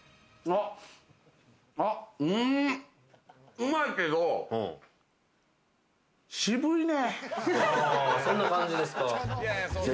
うまいけれども、渋いねぇ。